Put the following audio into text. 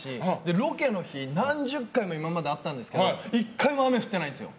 ロケの日、何十回も今まであったんですけど１回も雨降ってないんですよ。